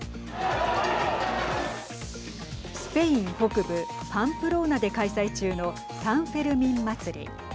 スペイン北部パンプローナで開催中のサンフェルミン祭り。